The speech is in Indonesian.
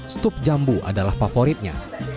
stup jambu adalah favoritnya